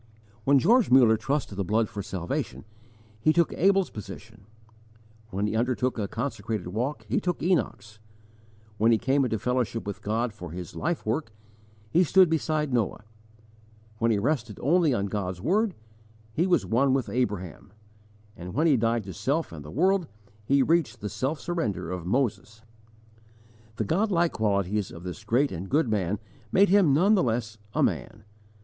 When George Muller trusted the blood for salvation, he took Abel's position; when he undertook a consecrated walk he took Enoch's; when he came into fellowship with God for his life work he stood beside Noah; when he rested only on God's word, he was one with Abraham; and when he died to self and the world, he reached the self surrender of Moses. The godlike qualities of this great and good man made him none the less a man.